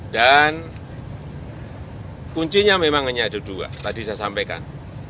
dan kuncinya memang hanya ada dua tadi saya sampaikan